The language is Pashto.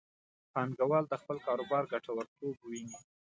پانګوال د خپل کاروبار ګټورتوب ویني.